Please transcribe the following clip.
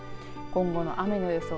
今後の雨の予想。